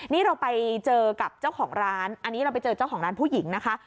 นี่เราไปเจอกับเจ้าของร้านอันนี้เราไปเจอเจ้าของร้านผู้หญิงนะคะ